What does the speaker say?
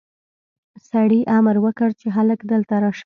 سړي امر وکړ چې هلک دلته راشه.